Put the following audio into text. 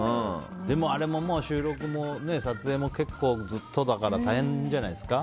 でも、あれも収録も撮影もずっとだから大変じゃないですか。